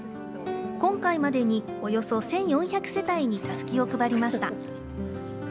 今回までに、およそ１４００世帯にたすきを配りました。